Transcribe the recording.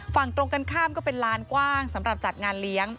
ฝั่งตรงกันข้ามก็เป็นลานกว้างสำหรับจัดงานเลี้ยง